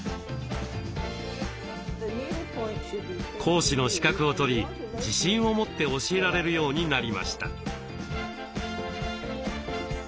講師の資格を取り自信を持って教えられるようになりました。